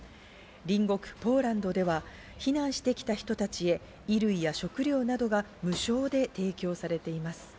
隣国ポーランドでは避難してきた人たちへ衣類や食料などが無償で提供されています。